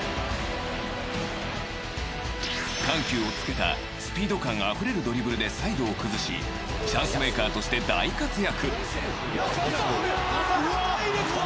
緩急をつけたスピード感あふれるドリブルでサイドを崩しチャンスメーカーとして大活躍。